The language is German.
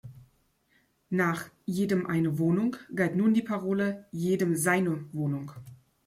Nach: „Jedem eine Wohnung“ galt nun die Parole: „Jedem seine Wohnung“.